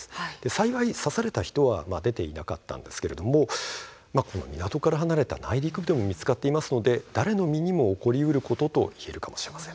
幸い刺された人は出ていませんが港から離れた内陸部でも見つかっていますので誰の身にも起こりうることといえるかもしれません。